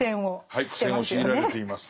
はい苦戦を強いられています。